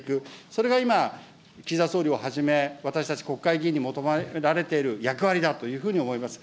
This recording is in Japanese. それが今、岸田総理をはじめ、私たち国会議員に求められている役割だというふうに思います。